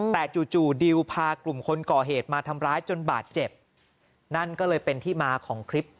แต่จู่จู่ดิวพากลุ่มคนก่อเหตุมาทำร้ายจนบาดเจ็บนั่นก็เลยเป็นที่มาของคลิป